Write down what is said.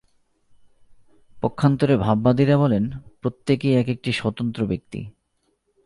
পক্ষান্তরে ভাববাদীরা বলেন, প্রত্যেকেই এক-একটি স্বতন্ত্র ব্যক্তি।